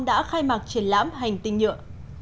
đã khai mạc triển lãm hành tinh nhựa